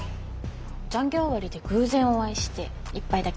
残業終わりで偶然お会いして１杯だけ。